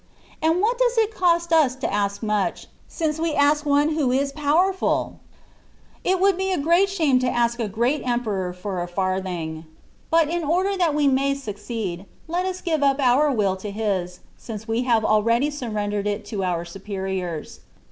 And what does it cost us to ask much, since we ask One who is powerful ? It would be a shame to ask a great emperor for a farthing. But in order that we may succeed, let us give up our will to His, since we have already surrendered it to our superiors.